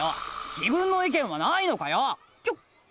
自分の意見はないのかよ！